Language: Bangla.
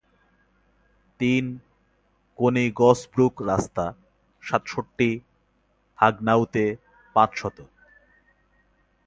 তিন, কোনিগসব্রুক রাস্তা, সাতষট্টি, হাগনাউতে পাঁচশত